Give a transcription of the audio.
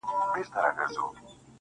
يمه دي غلام سترگي راواړوه_